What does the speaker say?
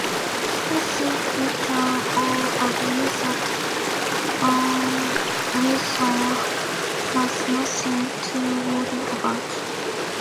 I think we can all agree that Owen Wilson has nothing to worry about.